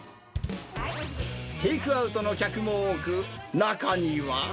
テイクアウトの客も多く、中には。